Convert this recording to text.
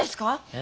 え？